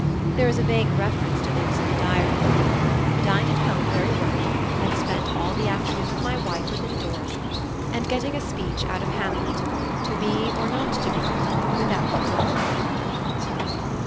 There is a vague reference to this in the Diary: 'Dined at home very well, and spent all the afternoon with my wife within doors, and getting a speech out of Hamlet, "To be, or not to be," without book.'"